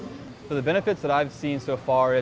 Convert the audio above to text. keuntungan yang saya lihat sejauh ini adalah